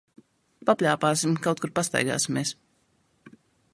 Papļāpāsim, kaut kur pastaigāsimies.